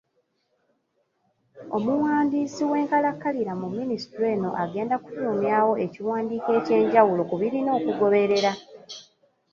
Omuwandiisi w'enkalakkalira mu minisitule eno agenda kufulumyawo ekiwandiiko ekyenjawulo ku birina okugoberera.